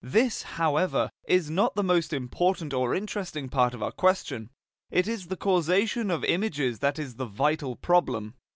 This, however, is not the most important or interesting part of our question. It is the causation of images that is the vital problem.